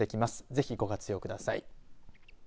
ぜひ、ご活用ください。